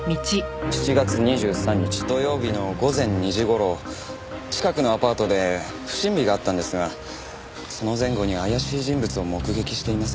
７月２３日土曜日の午前２時頃近くのアパートで不審火があったんですがその前後に怪しい人物を目撃していませんか？